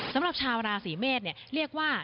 สำหรับชาวราศีเมษเรียกว่า